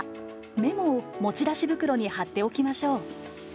メモを持ち出し袋に貼っておきましょう。